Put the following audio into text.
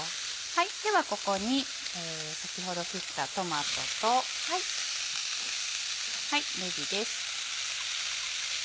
ではここに先ほど切ったトマトとねぎです。